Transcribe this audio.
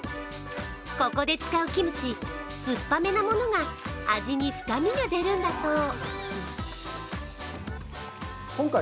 ここで使うキムチ、酸っぱめのものが味に深みが出るんだそう。